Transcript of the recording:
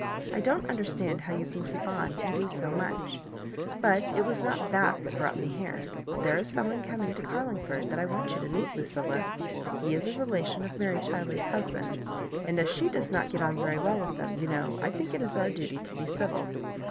I don't understand how you can keep on, and do so much. But it was not thai that brought me here. There is some one coming to Carling ford that I want you to meet, Lucilla. He is a relation of Mary Chiley's husband, and as she does not get on very well with them, you know, I think it is our duty to be civil.